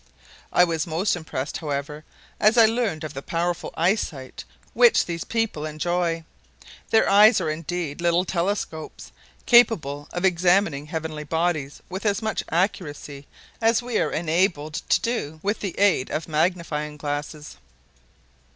I was most impressed, however, as I learned of the powerful eyesight which these people enjoy. Their eyes are indeed little telescopes, capable of examining heavenly bodies with as much accuracy as we are enabled to do with the aid of magnifying glasses.